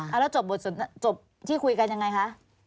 หรือจบที่คุยกันยังไงคะ